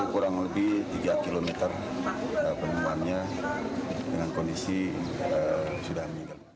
kurang lebih tiga km penemuannya dengan kondisi sudah meninggal